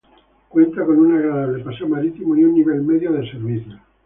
Cuenta con un agradable paseo marítimo y un nivel medio de servicios.